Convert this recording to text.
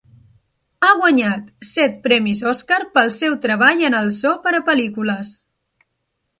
Ha guanyat set premis Oscar pel seu treball en el so per a pel·lícules.